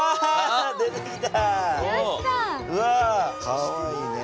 かわいいね。